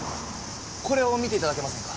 これを見て頂けませんか？